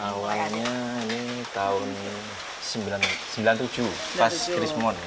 awalnya ini tahun sembilan puluh tujuh pas krismon